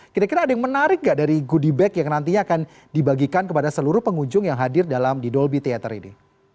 kira kira ada yang menarik gak dari goodie bag yang nantinya akan dibagikan kepada seluruh pengunjung yang hadir dalam di dolby theater ini